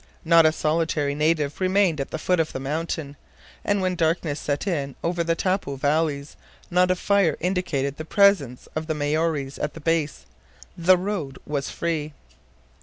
Not a solitary native remained at the foot of the mountain, and when darkness set in over the Taupo valleys, not a fire indicated the presence of the Maories at the base. The road was free.